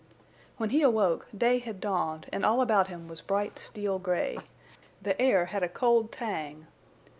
When he awoke, day had dawned and all about him was bright steel gray. The air had a cold tang.